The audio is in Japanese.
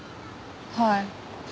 はい。